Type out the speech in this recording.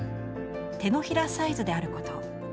「手のひらサイズであること」。